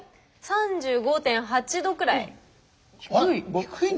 ３５．８℃くらい。